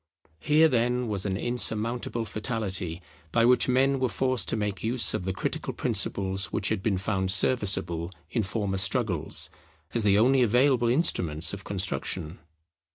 Here then was an insurmountable fatality by which men were forced to make use of the critical principles which had been found serviceable in former struggles, as the only available instruments of construction.